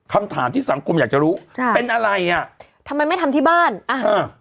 คำถามที่สังคมอยากจะรู้ใช่เป็นอะไรอ่ะทำไมไม่ทำที่บ้านอ่าฮะ